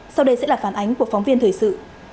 sau đây sẽ là phản ánh của phóng viên thời sự